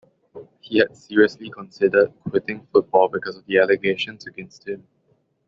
He had seriously considered quitting football because of the allegations against him.